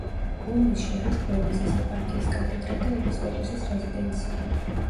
ბოლნისში არის ბოლნისის ეპარქიის კათედრა და ეპისკოპოსის რეზიდენცია.